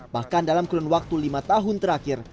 bahkan dalam kurun waktu lima tahun terakhir